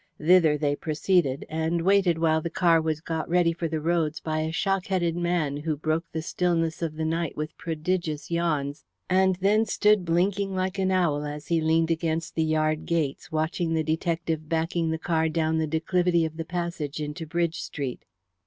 Thither they proceeded, and waited while the car was got ready for the roads by a shock headed man who broke the stillness of the night with prodigious yawns, and then stood blinking like an owl as he leaned against the yard gates watching the detective backing the car down the declivity of the passage into Bridge Street.